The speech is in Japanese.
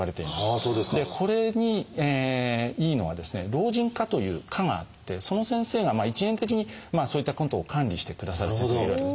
「老人科」という科があってその先生が一元的にそういったことを管理してくださる先生がいるわけですね。